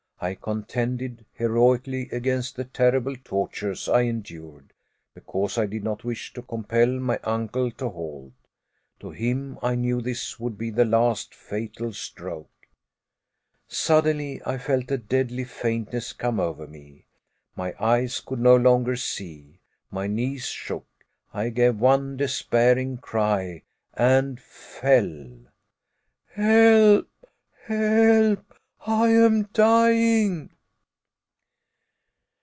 I contended heroically against the terrible tortures I endured, because I did not wish to compel my uncle to halt. To him I knew this would be the last fatal stroke. Suddenly I felt a deadly faintness come over me. My eyes could no longer see; my knees shook. I gave one despairing cry and fell! "Help, help, I am dying!"